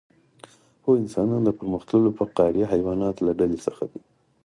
هو انسانان د پرمختللو فقاریه حیواناتو له ډلې څخه دي